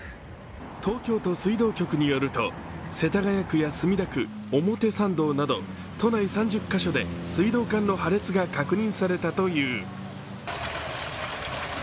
東京都水道局によると世田谷区や墨田区表参道など都内３０カ所で水道管の破裂が確認されたという。